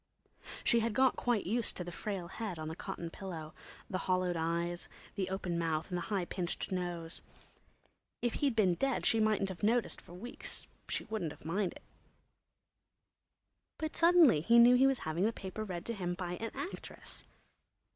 She had got quite used to the frail head on the cotton pillow, the hollowed eyes, the open mouth and the high pinched nose. If he'd been dead she mightn't have noticed for weeks; she wouldn't have minded. But suddenly he knew he was having the paper read to him by an actress!